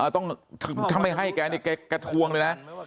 ทำไมให้แกเนี่ยแกทวงเลยนะ